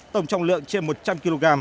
tổng trọng lượng trên một trăm linh kg